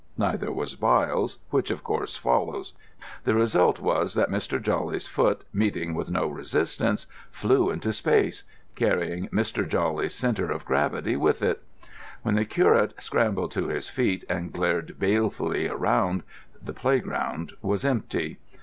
Neither was Byles, which, of course, follows. The result was that Mr. Jawley's foot, meeting with no resistance, flew into space, carrying Mr. Jawley's centre of gravity with it. When the curate scrambled to his feet and glared balefully around, the playground was empty.